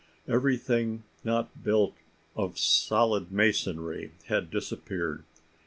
Everything not built of solid masonry had disappeared.